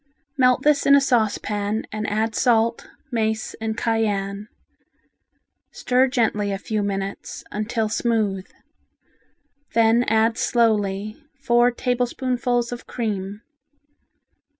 Melt this in a saucepan and add salt, mace and cayenne. Stir gently a few minutes, until smooth. Then add slowly four tablespoonfuls of cream.